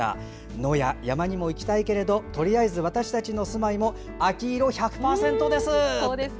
野や山にも行きたいけれどとりあえず私たちの住まいも秋色１００％です。